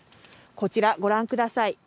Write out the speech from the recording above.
こちら、ご覧ください。